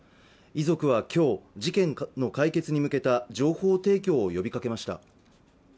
遺族は今日、事件の解決に向けた情報提供を呼びかけました。